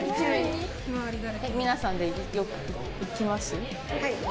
皆さんでよく行きます？